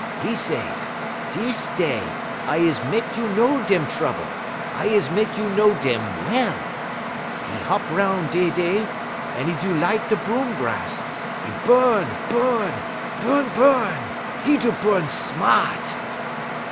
'E say, 'Dis day I is mek you know dem trouble; I is mek you know dem well.' 'E hop 'roun' dey dey, un 'e do light da' broom grass; 'e bu'n, bu'n bu'n, bu'n; 'e do bu'n smaht.